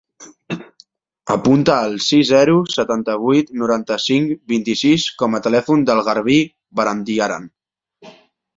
Apunta el sis, zero, setanta-vuit, noranta-cinc, vint-i-sis com a telèfon del Garbí Barandiaran.